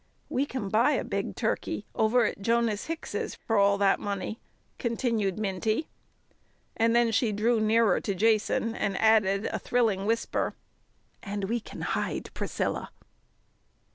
"We can buy a big turkey over at Jonas Hicks's for all that money," continued Minty. And then she drew nearer to Jason, and added a thrilling whisper, "And we can hide Priscilla!"